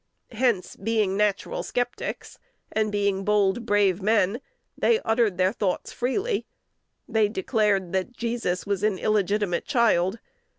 Hence, being natural sceptics, and being bold, brave men, they uttered their thoughts freely: they declared that Jesus was an illegitimate child....